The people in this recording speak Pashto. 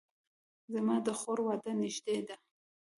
زما د خور واده نږدې ده